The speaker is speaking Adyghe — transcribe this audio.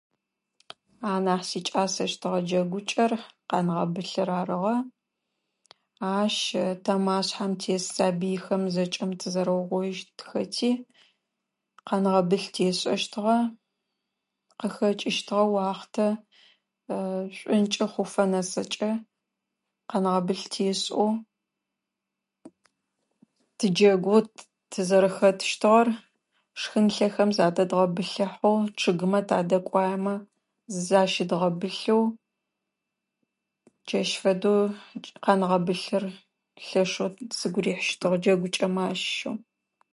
Анахь сикӏасэщтыгъэ джэгукӏэр къэнгъэбылъыр арыгъэ. Ащ тамашхъхьэм тес сабыйхэм зэкӏэм тызэрэгъоищтхэти къэнгъэбылъ тэшӏэщтыгъэ. Къыхэкӏыщтыгъэ уахътэ шӏункӏы хъуфэ нэсфэкӏэ къэнгъэбылъ тешӏоу, тыджэгу тызэрэхэтыщтыгъэр шхын [unintelligible] задэдгъэбылъыгъэу, чъыгмэ тадэкӏуаемэ защыдгъэбылъыгъэу, джащ фэдэу къэнгъэбылъыр лъэшъэу сыгу рихьыщтыгъэ джэгукӏэмэ ащыщэу.